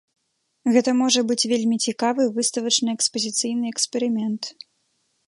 Гэта можа быць вельмі цікавы выставачна-экспазіцыйны эксперымент.